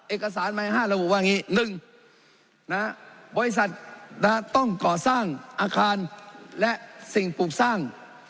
เอกสารใหม่๕ระบุว่าอย่างนี้๑บริษัทต้องก่อสร้างอาคารและสิ่งปลูกสร้าง